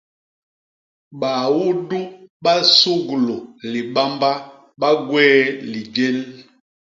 Baudu ba suglu Libamba ba gwéé lijél.